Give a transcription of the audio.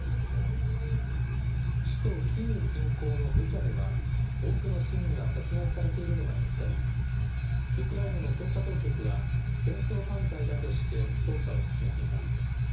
首都キーウ近郊のブチャでは、多くの市民が殺害されているのが見つかり、ウクライナの捜査当局は、戦争犯罪だとして捜査を進めています。